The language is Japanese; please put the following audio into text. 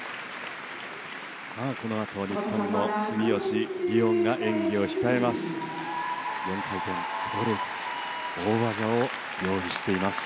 このあと日本の住吉りをんが演技を控えます。